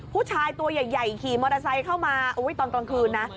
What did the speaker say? ผู้ชายตัวใหญ่ขี่มอเตอร์ไซค์เข้ามาตอนกลางคืนนะ